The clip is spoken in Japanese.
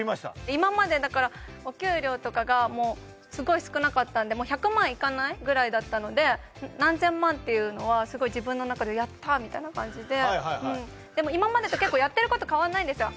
今までだからお給料とかがもうすごい少なかったんでもう１００万いかないぐらいだったので何千万っていうのはすごい自分の中でやった！みたいな感じではいはいはいでも今までと結構やってること変わんないんですよ